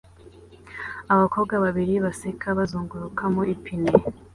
Abakobwa babiri baseka bazunguruka mu ipine